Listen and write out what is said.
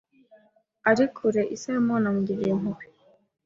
akiri kure, ise aramubona amugirira impuhwe,